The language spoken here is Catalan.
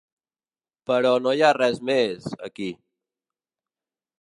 Però no hi ha res més, aquí.